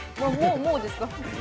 もうですか？